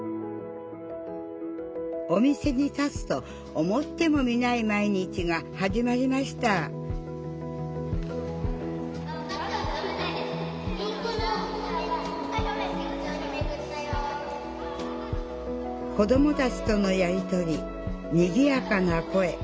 お店に立つと思ってもみない毎日が始まりました子どもたちとのやり取りにぎやかな声。